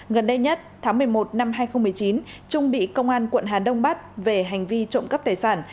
gần đây nhất tháng một mươi một năm hai nghìn một mươi chín trung bị công an quận hà đông bắt về hành vi trộm cắp tài sản